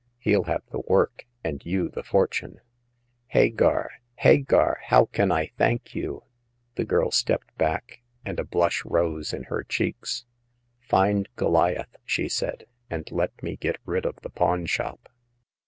He'll have the work and you the fortune." Hagar ! Hagar ! how can I thank you !" The girl stepped back, and a blush rose in her cheeks. Find Goliath," she said, and let me get rid of the pawn shop."